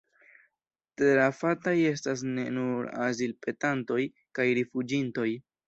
Trafataj estas ne nur azilpetantoj kaj rifuĝintoj.